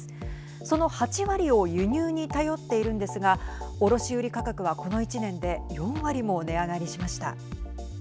その８割を輸入に頼っているんですが卸売価格は、この１年で４割も値上がりしました。